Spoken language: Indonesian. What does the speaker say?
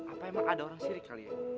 apa emang ada orang sirik kali ya